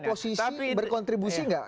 oposisi berkontribusi nggak